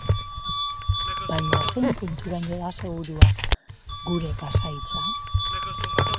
Baina zein punturaino da segurua gure pasahitza?